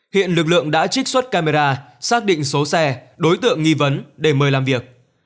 hiện lực lượng đã trích xuất camera xác định số xe đối tượng nghi vấn để mời làm việc